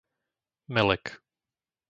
Melek